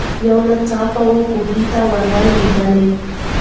یو ناڅاپه وو کوهي ته ور لوېدلې